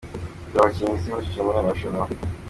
Dore abakinnyi izifashisha muri aya marushanwa.